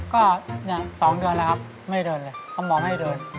ก็๒เดือนแล้วครับไม่เดินเลยเขามองไม่เดิน